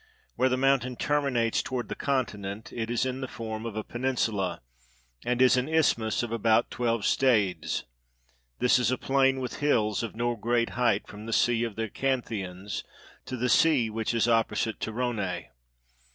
Where the mountain termi nates toward the continent, it is in the form of a penin sula, and is an isthmus of about twelve stades: this is a plain with hills of no great height from the sea of the Acanthians to the sea which is opposite Torone.